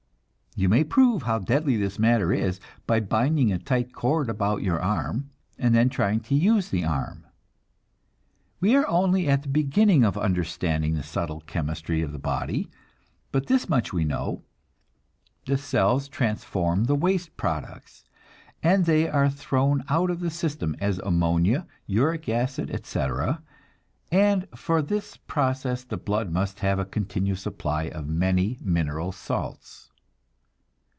You may prove how deadly this matter is by binding a tight cord about your arm, and then trying to use the arm. We are only at the beginning of understanding the subtle chemistry of the body; but this much we know, the cells transform the waste products, and they are thrown out of the system as ammonia, uric acid, etc.; and for this process the blood must have a continual supply of many mineral salts.